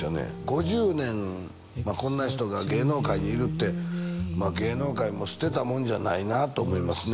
５０年こんな人が芸能界にいるってまあ芸能界も捨てたもんじゃないなと思いますね